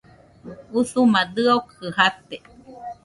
Usuma dɨokɨ jate.